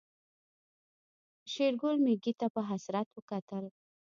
شېرګل ميږې ته په حسرت وکتل.